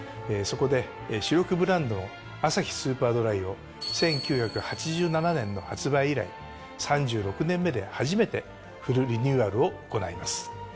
そこで主力ブランドの「アサヒスーパードライ」を１９８７年の発売以来３６年目で初めてフルリニューアルを行います。